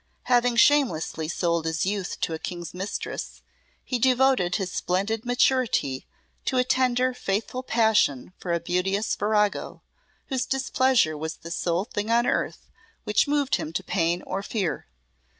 Having shamelessly sold his youth to a King's mistress, he devoted his splendid maturity to a tender, faithful passion for a beauteous virago, whose displeasure was the sole thing on earth which moved him to pain or fear.